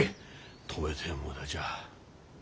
止めても無駄じゃ。